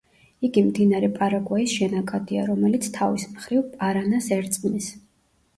იგი მდინარე პარაგვაის შენაკადია, რომელიც თავის მხრივ პარანას ერწყმის.